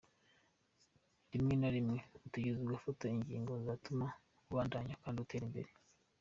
Rimwe na rimwe utegerezwa gufata ingingo zotuma ubandanya kandi utera imbere.